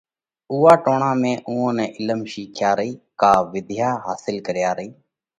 اُوئا ٽوڻا ۾ اُوئون نئہ علِم شِيکيا رئي ڪا وۮيا حاصل ڪريا